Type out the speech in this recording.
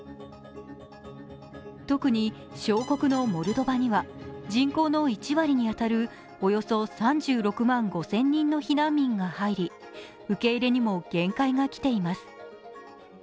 特に小国のモルドバには人口の１割に当たるおよそ３６万５０００人の避難民が入り、受け入れにも限界が来ています。